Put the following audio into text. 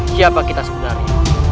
siapa kita sebenarnya